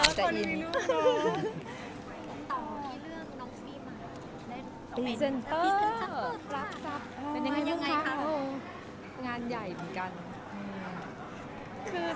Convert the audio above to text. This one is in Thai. งานใหญ่เหมือนกัน